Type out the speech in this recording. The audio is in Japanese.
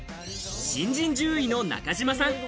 新人獣医の中島さん。